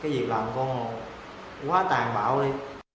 cái gì làm con quá tàn bạo đi